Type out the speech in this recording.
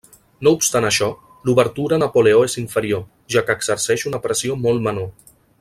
No obstant això, l'obertura Napoleó és inferior, ja que exerceix una pressió molt menor.